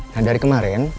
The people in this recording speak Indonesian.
nah dari kemarin